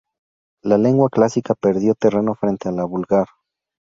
La lengua clásica perdió terreno frente a la vulgar.